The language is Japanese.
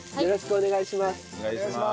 お願いします！